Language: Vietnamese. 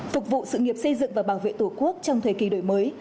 phục vụ sự nghiệp xây dựng và bảo vệ tổ quốc trong thời kỳ đổi mới